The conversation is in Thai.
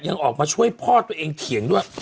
ยังออกมาช่วยพ่อตัวเองเถียงด้วย